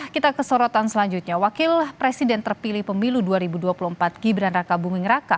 kita ke sorotan selanjutnya wakil presiden terpilih pemilu dua ribu dua puluh empat gibran raka buming raka